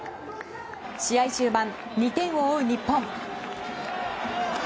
試合終盤、２点を追う日本。